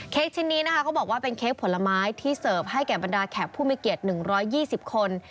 ชิ้นนี้นะคะเขาบอกว่าเป็นเค้กผลไม้ที่เสิร์ฟให้แก่บรรดาแขกผู้มีเกียรติ๑๒๐คน